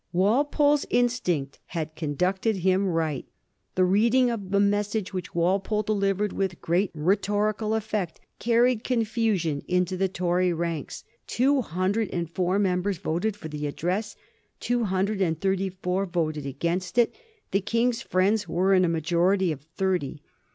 Walpole's instinct had conducted him right. The read ing of the message, which Walpole delivered with great rhetorical effect, carried confusion into the Tory ranks. Two hundred and four members voted for the Address, two hundred and thirty four voted against it. The King's friends were in a majority of thirty.